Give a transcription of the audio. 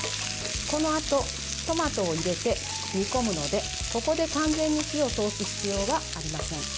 このあとトマトを入れて煮込むのでここで完全に火を通す必要はありません。